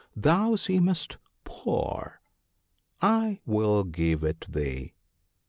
Thou seemest poor ! I will give it thee.